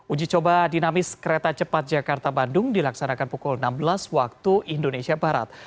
uji coba dinamis kereta cepat jakarta bandung dilaksanakan pukul enam belas waktu indonesia barat